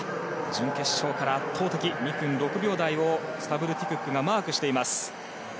準決勝から圧倒的、２分６秒台をスタブルティ・クックがマークしています。